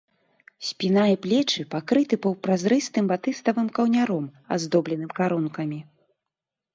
Спіна і плечы пакрыты паўпразрыстым батыставым каўняром, аздобленым карункамі.